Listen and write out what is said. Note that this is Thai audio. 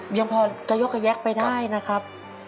ยังพอจะยกกระแยกไปได้นะครับ